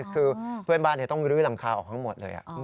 คือเพื่อนบ้านต้องลื้อหลังคาออกทั้งหมดเลย